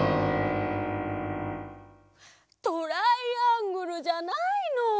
トライアングルじゃないの！